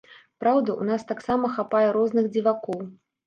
Праўда, у нас таксама хапае розных дзівакоў.